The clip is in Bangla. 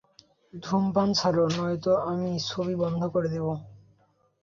ধূমপান ছাড়ো, নয়ত আমি ছবি বন্ধ করে দিবো!